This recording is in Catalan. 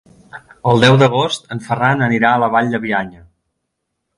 El deu d'agost en Ferran anirà a la Vall de Bianya.